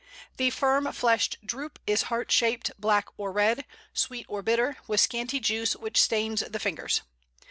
The firm fleshed drupe is heart shaped, black or red, sweet or bitter, with scanty juice which stains the fingers.